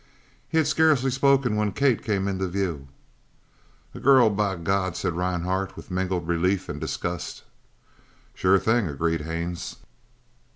He had scarcely spoken when Kate came into view. "A girl, by God!" said Rhinehart, with mingled relief and disgust. "Sure thing," agreed Haines.